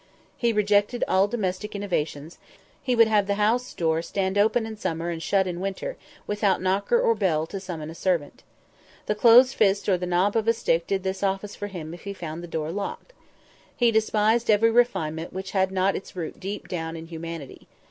He rejected all domestic innovations; he would have the house door stand open in summer and shut in winter, without knocker or bell to summon a servant. The closed fist or the knob of a stick did this office for him if he found the door locked. He despised every refinement which had not its root deep down in humanity.